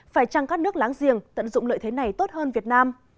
phải chăng các nước láng giềng tận dụng lợi thế này tốt hơn việt nam